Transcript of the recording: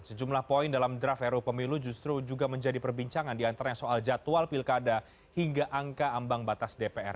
sejumlah poin dalam draft ru pemilu justru juga menjadi perbincangan diantaranya soal jadwal pilkada hingga angka ambang batas dpr